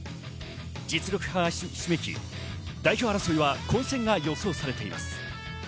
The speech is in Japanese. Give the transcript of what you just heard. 実力派がひしめき、代表争いは混戦が予想されています。